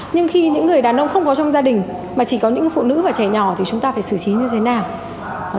nhưng khi những người đàn ông không có trong gia đình mà chỉ có những phụ nữ và trẻ nhỏ thì chúng ta phải xử trí như thế nào